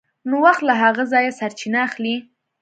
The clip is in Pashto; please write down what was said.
نوښت له هغه ځایه سرچینه اخلي.